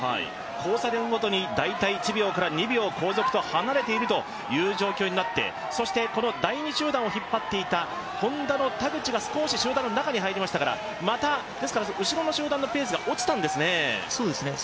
交差点ごとに大体１秒から２秒後続と離れているという状況になってそしてこの第２集団を引っ張っていたＨｏｎｄａの田口が少し集団の中に入りましたから、後ろの集団のペースが落ちたんですね。